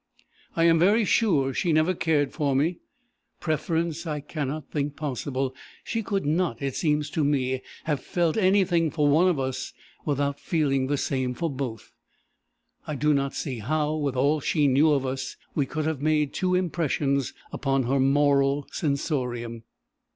I am very sure she never cared for me. Preference I cannot think possible; she could not, it seems to me, have felt anything for one of us without feeling the same for both; I do not see how, with all she knew of us, we could have made two impressions upon her moral sensorium.